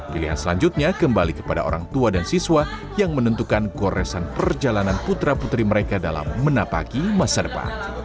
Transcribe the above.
pilihan selanjutnya kembali kepada orang tua dan siswa yang menentukan goresan perjalanan putra putri mereka dalam menapaki masa depan